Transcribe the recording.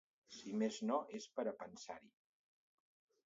Si més no és per a pensar-hi.